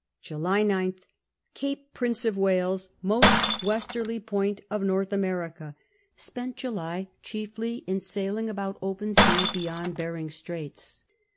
July 9th. Cape Prince of Wales most westerly point of North Americ^a. Spent July chiefly in sailing sibout open sea beyond Behring Straits.